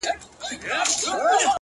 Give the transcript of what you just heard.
خدایه نور یې د ژوندو له کتار باسه!!